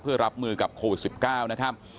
เพื่อรับมือกับโควิด๑๙นะครับ